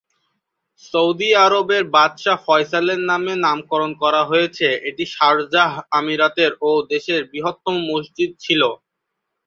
Saudi আরবের বাদশাহ ফয়সালের নামে নামকরণ করা হয়েছে, এটি শারজাহ আমিরাতের ও দেশের বৃহত্তম মসজিদ ছিল।